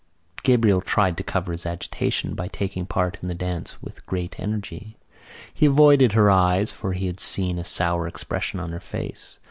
Gabriel tried to cover his agitation by taking part in the dance with great energy. He avoided her eyes for he had seen a sour expression on her face.